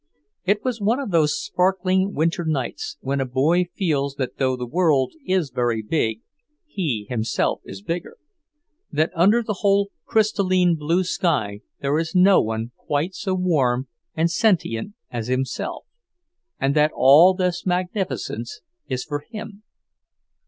It was one of those sparkling winter nights when a boy feels that though the world is very big, he himself is bigger; that under the whole crystalline blue sky there is no one quite so warm and sentient as himself, and that all this magnificence is for him.